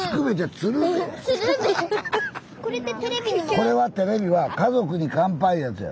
これはテレビは「家族に乾杯」いうやつや。